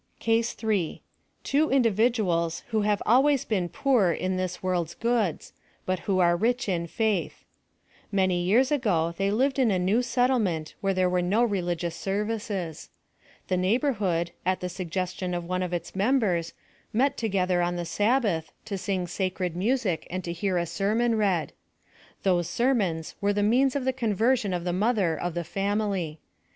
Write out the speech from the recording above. CASE 3. — Two individuals who have always been poor in this world's goods : but who are rich in faith. Many years ago they lived in a new set tlement where there were no religious services. The neighborhood, at the suggestion of one of its members, met together on the Sabbath, to sing sacred music and to hear a sermon read. Those sermons were the means of the conversion of the mother of the family.